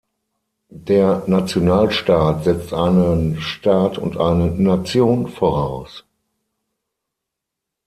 Der Nationalstaat setzt einen Staat und eine Nation voraus.